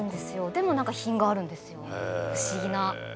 でも品があるんですよ不思議な。